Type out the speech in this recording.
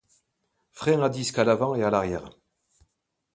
Freins à disques à l'avant et à l'arrière.